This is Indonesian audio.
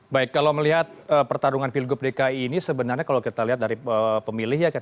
baik kalau melihat pertarungan pilgub dki ini sebenarnya kalau kita lihat dari pemilih ya